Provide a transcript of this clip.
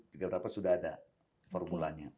beberapa sudah ada formulanya